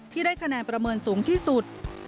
ได้คะแนนประเมินสูงที่สุด